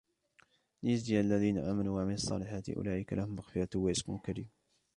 لِيَجْزِيَ الَّذِينَ آمَنُوا وَعَمِلُوا الصَّالِحَاتِ أُولَئِكَ لَهُمْ مَغْفِرَةٌ وَرِزْقٌ كَرِيمٌ